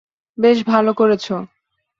বেশ ভালো করেছো।